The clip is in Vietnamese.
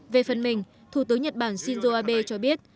về phần mình thủ tướng nhật bản shinzo abe cho biết